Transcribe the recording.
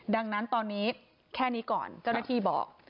ดังนั้นตอนนี้แค่นี้ก่อนเจ้าหน้าที่บอก